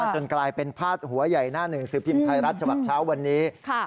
จนกลายเป็นพาดหัวใหญ่หน้าหนึ่งสือพิมพ์ไทยรัฐฉบับเช้าวันนี้